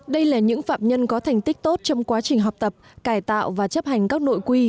đây là những phạm nhân có thành tích tốt trong quá trình học tập cải tạo và chấp hành các nội quy